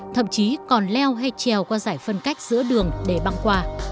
thậm chí còn leo hay trèo qua giải phân cách giữa đường để băng qua